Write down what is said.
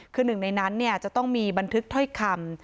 คือหนึ่งในนั้นจะต้องมีบันทึกถ้อยคำ